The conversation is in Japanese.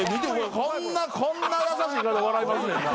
こんな優しい顔で笑いますねんな。